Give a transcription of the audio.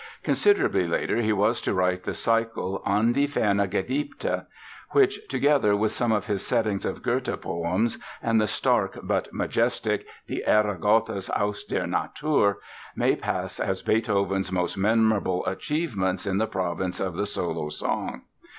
Considerably later he was to write the cycle An die ferne Geliebte, which together with some of his settings of Goethe poems and the stark but majestic Die Ehre Gottes aus der Natur, may pass as Beethoven's most memorable achievements in the province of the solo song.